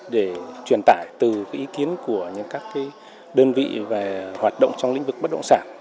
để truyền tải từ ý kiến của các đơn vị và hoạt động trong lĩnh vực bất động sản